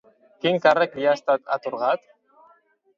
Quin càrrec li ha estat atorgat?